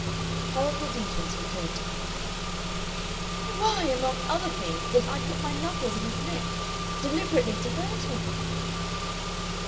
Horrible details recurred to her. "Why, among other things, did I put my knuckles in his neck deliberately to hurt him?"